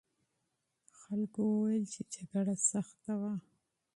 خلکو وویل چې جګړه سخته وه.